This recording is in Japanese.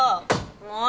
もう！